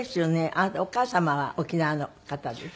あなたお母様は沖縄の方でしょ？